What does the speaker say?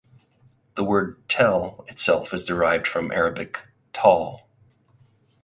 The word "tell" itself is derived from Arabic "tall".